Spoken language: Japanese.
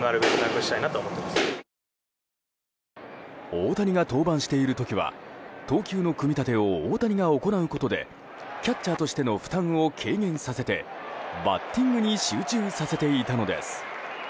大谷が登板している時は投球の組み立てを大谷が行うことでキャッチャーとしての負担を軽減させてバッティングに集中させていたのです。